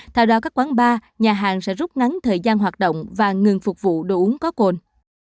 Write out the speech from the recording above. theo đó các quán bar nhà hàng sẽ rút ngắn thời gian hoạt động và ngừng phục vụ đồ uống có cồn